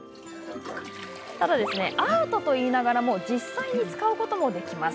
アートと言いながらも実際に使うこともできます。